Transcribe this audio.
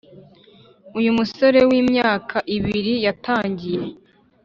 Uyu musore w’imyaka ibiri yatangiye